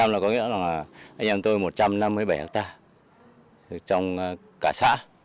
ba mươi là có nghĩa là anh em tôi một trăm năm mươi bảy ha trong cả xã